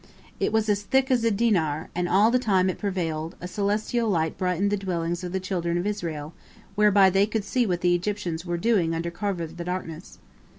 It was as thick as a dinar, and all the time it prevailed a celestial light brightened the dwellings of the children of Israel, whereby they could see what the Egyptians were doing under cover of the darkness.